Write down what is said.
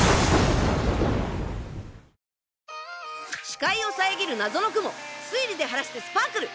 視界を遮る謎の雲推理で晴らしてスパークル！